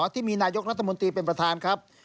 ที่มีนายกแมงราชมูลตรีเป็นประถานครับ